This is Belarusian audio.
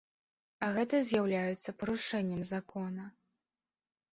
А гэта з'яўляецца парушэннем закона.